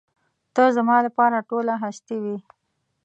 ته زما لپاره ټوله هستي وې.